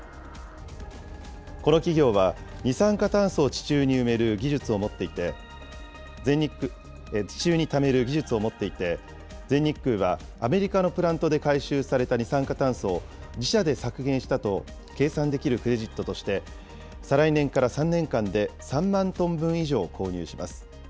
この企業は、二酸化炭素を地中に埋める技術を持っていて、地中にためる技術を持っていて、全日空はアメリカのプラントで回収された二酸化炭素を、自社で削減したと計算できるクレジットとして、再来年から３年間で３万トン分以上購入します。